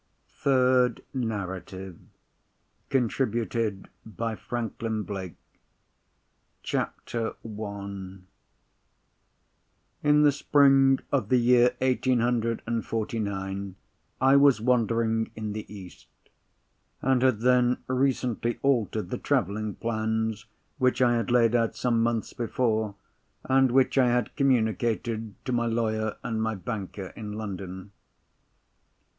THIRD NARRATIVE. Contributed by Franklin Blake. CHAPTER I In the spring of the year eighteen hundred and forty nine I was wandering in the East, and had then recently altered the travelling plans which I had laid out some months before, and which I had communicated to my lawyer and my banker in London.